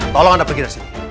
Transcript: tolong anda pergi dari sini